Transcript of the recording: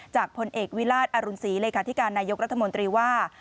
พลเอกวิราชอรุณศรีเลขาธิการนายกรัฐมนตรีว่า